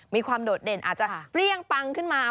โดดเด่นอาจจะเปรี้ยงปังขึ้นมา